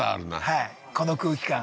はいこの空気感